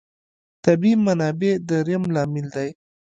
طبیعي منابع درېیم لامل دی.